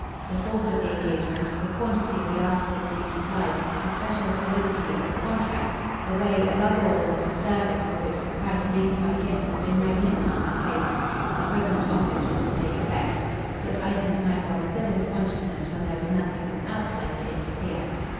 The force of the engagement, the quantity of the article to be supplied, the special solidity of the contract, the way, above all, as a service for which the price named by him had been magnificently paid, his equivalent office was to take effect such items might well fill his consciousness when there was nothing from outside to interfere.